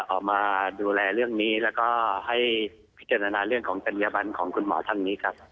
ออกมาดูแลเรื่องนี้แล้วก็ให้พิจารณาเรื่องของจัญญบันของคุณหมอท่านนี้ครับ